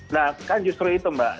nah kan justru itu mbak